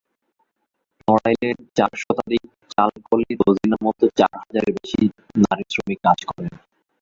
নড়াইলের চার শতাধিক চালকলে রোজিনার মতো চার হাজারের বেশি নারী শ্রমিক কাজ করেন।